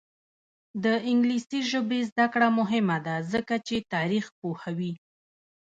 د انګلیسي ژبې زده کړه مهمه ده ځکه چې تاریخ پوهوي.